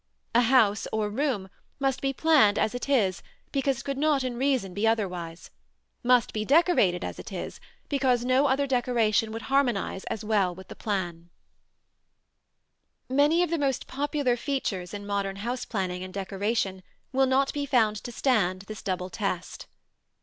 A house, or room, must be planned as it is because it could not, in reason, be otherwise; must be decorated as it is because no other decoration would harmonize as well with the plan. [Illustration: PLATE III. FRENCH ARMOIRE, XVI CENTURY.] Many of the most popular features in modern house planning and decoration will not be found to stand this double test.